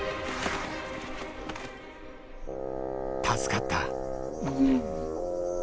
助かった。